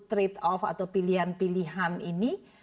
trade off atau pilihan pilihan ini